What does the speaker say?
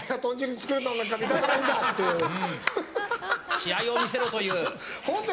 試合を見せろという。